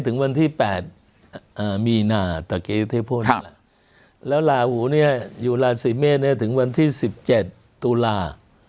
ถึงวันที่๘มีนาตะเกษเทพลแล้วหราหูอยู่ราศิเมษย์ถึงวันที่๑๗ตุลา